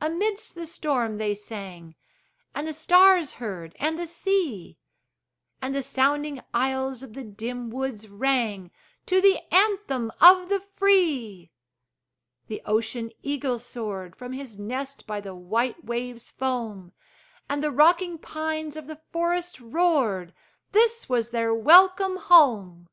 Amidst the storm they sang, And the stars heard, and the sea; And the sounding aisles of the dim woods rang To the anthem of the free! The ocean eagle soared From his nest by the white wave's foam; And the rocking pines of the forest roared This was their welcome home!